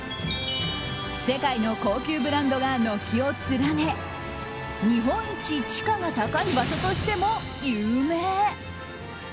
世界の高級ブランドが軒を連ね日本一地価が高い場所としても有名。